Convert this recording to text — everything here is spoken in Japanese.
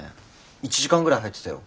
１時間ぐらい入ってたよ。